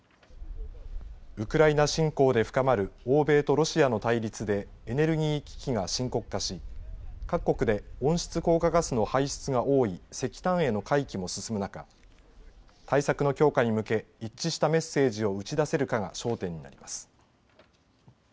ウクライナ侵攻で深まる欧米とロシアの対立でエネルギー危機が深刻化し各国で温室効果ガスの排出が多い石炭への回帰も進む中、対策の強化に向け一致したメッセージを打ち出せるかが焦点になります。